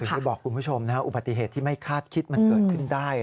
ที่บอกคุณผู้ชมอุบัติเหตุที่ไม่คาดคิดมันเกิดขึ้นได้